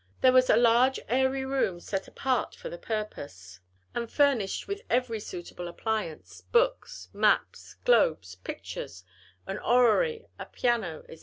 There was a large, airy room set apart for the purpose, and furnished with every suitable appliance, books, maps, globes, pictures, an orrery, a piano, etc.